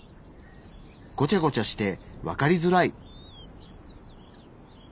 ごちゃごちゃしてわかりづらい。